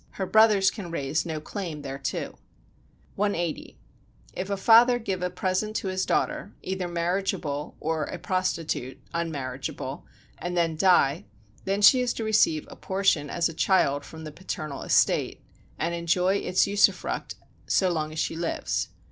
Her brothers can raise no claim thereto. 180. If a father give a present to his daughter either marriageable or a prostitute [unmarriageable] and then die, then she is to receive a portion as a child from the paternal estate, and enjoy its usufruct so long as she lives.